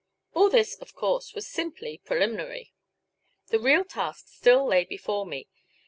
All this, of course, was simply preliminary. The real task still lay before me.